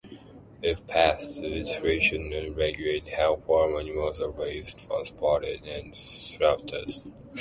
If passed, the legislation would regulate how farm animals are raised, transported, and slaughtered.